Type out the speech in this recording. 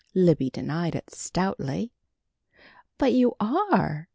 Libby denied it stoutly. "But you are!"